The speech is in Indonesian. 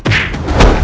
kau tidak tahu